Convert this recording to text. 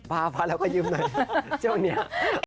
บ้าบ้าแล้วก็ยืมเลยจนเนี่ย